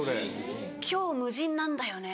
「今日ムジンなんだよね」。